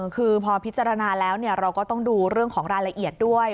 คือพอพิจารณาแล้วเราก็ต้องดูเรื่องของรายละเอียดด้วย